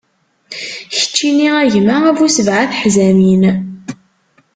Keččini a gma, a bu sebɛa teḥzamin.